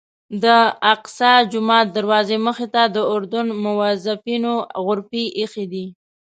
د الاقصی جومات دروازې مخې ته د اردن موظفینو غرفې ایښي دي.